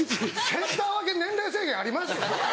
センター分け年齢制限あります？